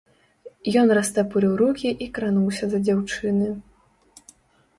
Ён растапырыў рукі і крануўся да дзяўчыны.